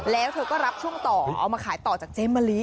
แล้วเธอก็รับช่วงต่อเอามาขายต่อจากเจ๊มะลิ